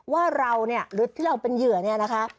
ว่าเราเนี่ยหรือที่เราเป็นเหยื่อเนี่ยนะคะ